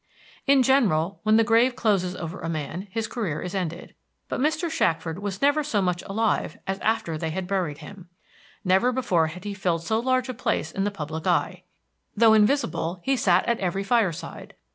In general, when the grave closes over a man his career is ended. But Mr. Shackford was never so much alive as after they had buried him. Never before had he filled so large a place in the public eye. Though invisible, he sat at every fireside.